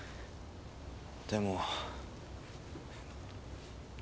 でも。